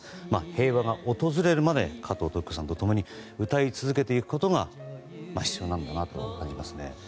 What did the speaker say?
平和が訪れるまで加藤登紀子さんと共に歌い続けていくことが必要なのかなと感じますね。